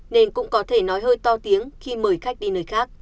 nên cũng có thể nói hơi to tiếng khi mời khách đi nơi khác